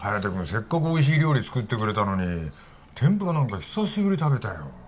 せっかくおいしい料理作ってくれたのに天ぷらなんか久しぶりに食べたよ